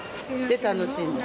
楽しんで。